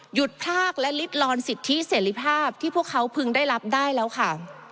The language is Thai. พรากและลิดลอนสิทธิเสรีภาพที่พวกเขาพึงได้รับได้แล้วค่ะ